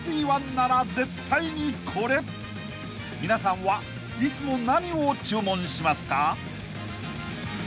［皆さんはいつも何を注文しますか？］